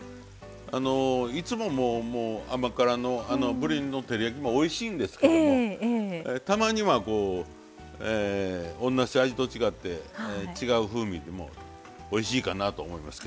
いつも甘辛のぶりの照り焼きもおいしいんですけどもたまには同じ味と違って違う風味もおいしいかなと思いますけどね。